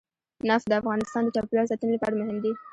نفت د افغانستان د چاپیریال ساتنې لپاره مهم دي.